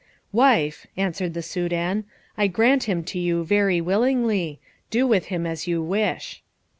"Wife," answered the Soudan, "I grant him to you very willingly; do with him as you wish."